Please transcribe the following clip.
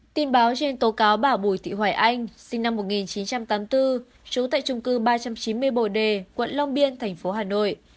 tin báo trên tố cáo bà bùi thị hoài anh sinh năm một nghìn chín trăm tám mươi bốn trú tại trung cư ba trăm chín mươi bồ đề quận long biên thành phố hà nội